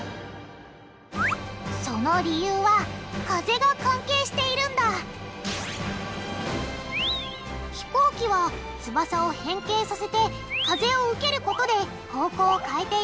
その理由は「風」が関係しているんだ飛行機は翼を変形させて風を受けることで方向を変えている。